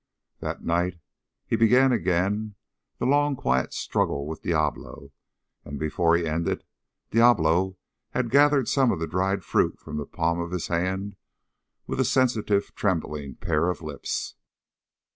That night he began again the long, quiet struggle with Diablo; and before he ended, Diablo had gathered some of the dried fruit from the palm of his hand with a sensitive, trembling pair of lips.